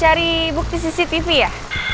cari bukti cctv ya